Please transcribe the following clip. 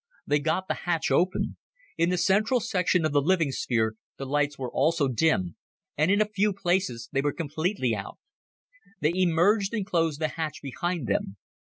They got the hatch open. In the central section of the living sphere, the lights were also dim and in a few places they were completely out. They emerged and closed the hatch behind them.